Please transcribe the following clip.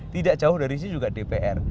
tidak jauh dari sini juga dpr